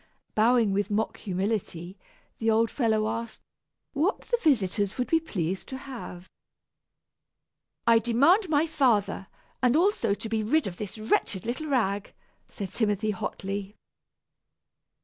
Bowing with mock humility, the old fellow asked what his visitors would be pleased to have. "I demand my father, and also to be rid of this wretched little rag," said Timothy hotly.